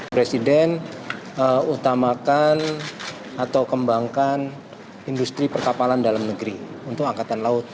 presiden utamakan atau kembangkan industri perkapalan dalam negeri untuk angkatan laut